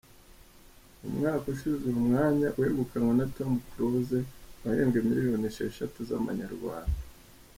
Umwaka ushize uyu mwanya wegukanywe na Tom Close wahembwe miliyoni esheshatu z’amanyarwanda.